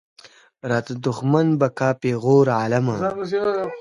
راته دښمن به کا پېغور عالمه.